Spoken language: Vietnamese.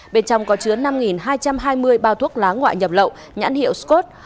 bên trong có chứa năm hai trăm hai mươi bao thuốc lá ngoại nhập lậu nhãn hiệu scott